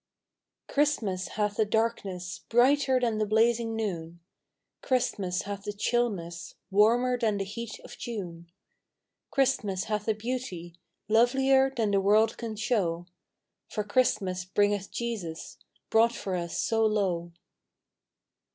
i. HR I STM AS hath a darkness Brighter than the blazing noon, Christmas hath a chillness Warmer than the heat of June, Christmas hath a beauty Lovelier than the world can show, For Christmas bringeth Jesus Brought for us so low.